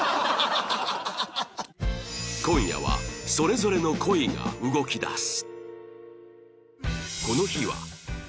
今夜はそれぞれの恋が動き出す